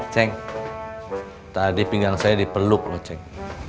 ceng tadi pinggang saya dipeluk loh ceng